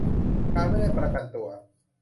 การไม่ได้ประกันตัว